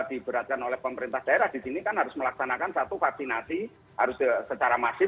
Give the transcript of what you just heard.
diberatkan oleh pemerintah daerah di sini kan harus melaksanakan satu vaksinasi harus secara masif